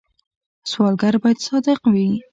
سوداګر باید صادق وي